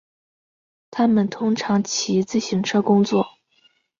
他们通常骑自行车工作。